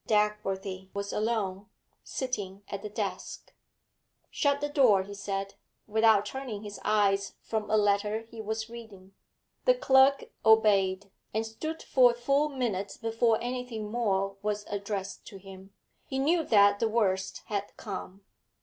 Dagworthy was alone, sitting at the desk. 'Shut the door,' he said, without turning his eyes from a letter he was reading. The clerk obeyed, and stood for a full minute before anything more was addressed to him. He knew that the worst had come.